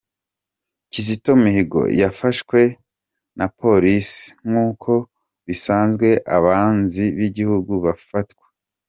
-Kizito Mihigo yafashwe na Police nkuko bisanzwe abanzi bigihugu bafatwa